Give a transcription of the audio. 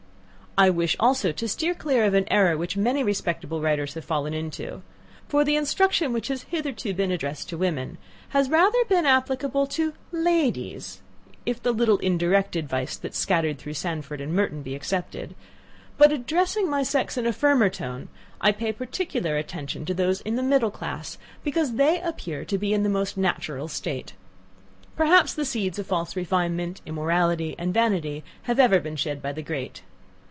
I wish also to steer clear of an error, which many respectable writers have fallen into; for the instruction which has hitherto been addressed to women, has rather been applicable to LADIES, if the little indirect advice, that is scattered through Sandford and Merton, be excepted; but, addressing my sex in a firmer tone, I pay particular attention to those in the middle class, because they appear to be in the most natural state. Perhaps the seeds of false refinement, immorality, and vanity have ever been shed by the great.